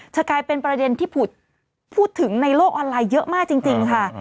จะกลายเป็นประเด็นที่พูดถึงในโลกออนไลน์เยอะมากจริงค่ะ